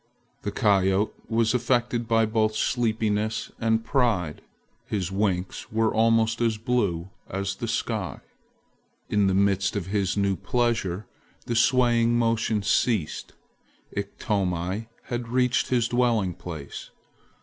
The coyote was affected by both sleepiness and pride. His winks were almost as blue as the sky. In the midst of his new pleasure the swaying motion ceased. Iktomi had reached his dwelling place.